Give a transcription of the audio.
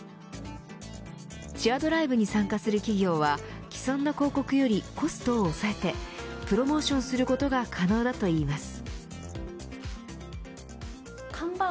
チアドライブに参加する企業は既存の広告よりコストを抑えてプロモーションすることが可能だといいます。